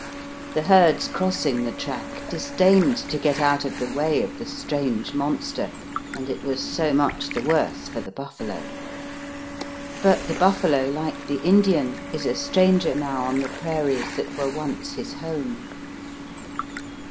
The herds crossing the track dis dained to get out of the way of the strange monster, and it was so much the worse for the buffalo. But the buffalo, like the Indian, is a stranger now on the prairies that were once his home.